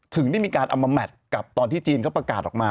ถึงได้มีการเอามาแมทกับตอนที่จีนเขาประกาศออกมา